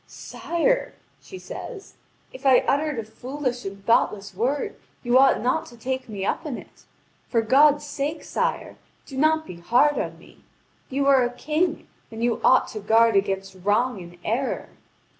"Sire," she says, "if I uttered a foolish and thoughtless word, you ought not to take me up in it. For God's sake, sire, do not be hard on me! You are a king, and you ought to guard against wrong and error."